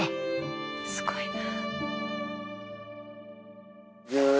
すごいな。